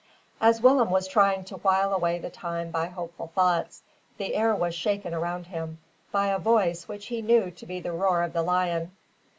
As Willem was trying to while away the time by hopeful thoughts, the air was shaken around him, by a voice which he knew to be the roar of the lion.